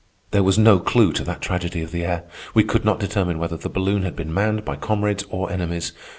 There was no clew to that tragedy of the air. We could not determine whether the balloon had been manned by comrades or enemies.